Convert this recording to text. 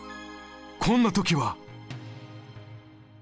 こんな時は。